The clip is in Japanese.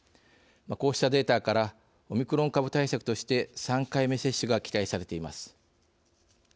こうしたデータからオミクロン株対策として３回目接種が期待されています。